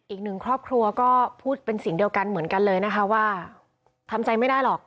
อีกหนึ่งครอบครัวก็พูดเป็นเสียงเดียวกันเหมือนกันเลยนะคะว่าทำใจไม่ได้หรอก